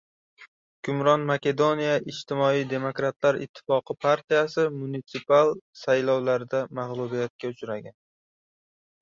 Hukmron “Makedoniya ijtimoiy-demokratlar ittifoqi” partiyasi munitsipal saylovlarda mag‘lubiyatga uchragan